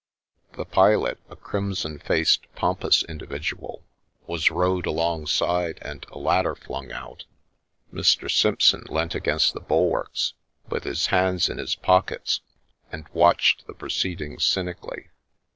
The pilot, a crimson faced pompous individual, was rowed alongside and a ladder flung out. Mr. Simpson leant against the bulwarks, with his hands in his pockets, and watched the proceedings cynically.